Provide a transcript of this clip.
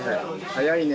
早いね。